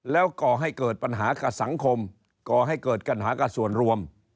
แล้วก่อให้เกิดปัญหากับสังคมก่อให้เกิดปัญหากับส่วนรวม